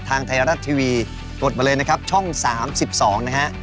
ทางไทยรัฐทีวีกดมาเลยนะครับช่อง๓๒นะฮะ